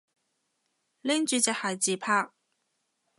拎住隻鞋自拍